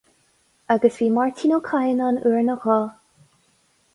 Agus bhí Máirtín Ó Cadhain ann uair nó dhó.